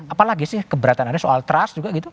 apalagi sih keberatan anda soal trust juga gitu